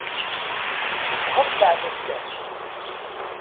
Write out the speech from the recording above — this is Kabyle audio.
Ɣas beɛɛed-as kan.